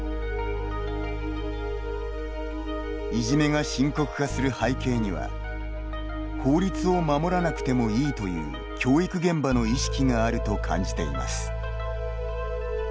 いじめが深刻化する背景には法律を守らなくてもいいという教育現場の意識があると感じています。